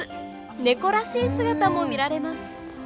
ネコらしい姿も見られます。